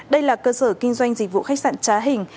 đây là cơ sở kinh doanh dịch vụ khách sạn trá hình